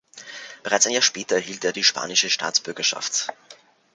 Bereits ein Jahr später erhielt er die spanische Staatsbürgerschaft.